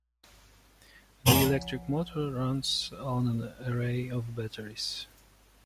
The electric motor runs on an array of batteries.